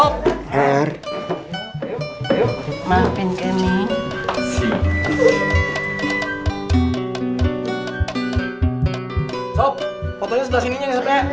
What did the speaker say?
merah sebelah sininya